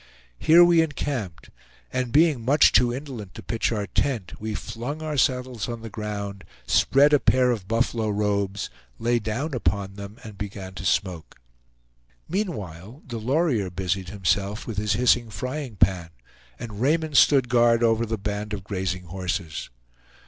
Here we encamped; and being much too indolent to pitch our tent, we flung our saddles on the ground, spread a pair of buffalo robes, lay down upon them, and began to smoke. Meanwhile, Delorier busied himself with his hissing frying pan, and Raymond stood guard over the band of grazing horses.